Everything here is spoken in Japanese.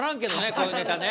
こういうネタね。